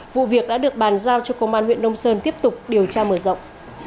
vụ việc đã được bàn giao cho công an huyện nông sơn tiếp tục điều tra mở rộng